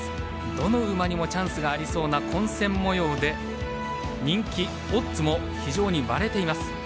どの馬にもチャンスがありそうな混戦もようで人気、オッズも非常に割れています。